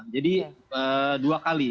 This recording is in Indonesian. jadi dua kali